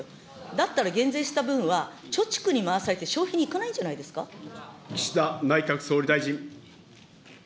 だったら減税した分は、貯蓄に回されて、消費にいかないんじゃな岸田内閣総理大臣。